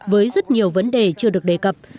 với rất nhiều vấn đề chưa được đề cập